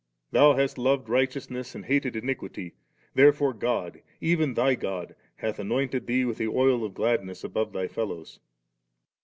Thou hast loved righteous ness, and hated iniquity, therefore God, even Thy God, hath anointed Thee with the oil of gladness above Thy fellows'.